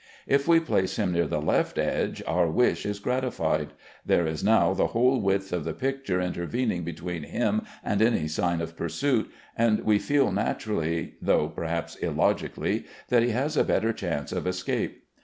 If we place him near the left edge our wish is gratified. There is now the whole width of the picture intervening between him and any sign of pursuit, and we feel naturally, though perhaps illogically, that he has a better chance of escape.